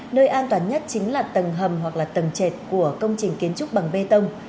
nơi an toàn nhất chính là tầng hầm hoặc là tầng trệt của công trình kiến trúc bằng bê tông